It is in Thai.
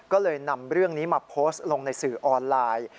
ก็เลยนำเรื่องนี้มาโพสต์ลงในสื่อออนไลน์